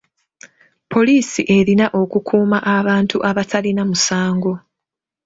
Poliisi erina okukuuma abantu abatalina musango.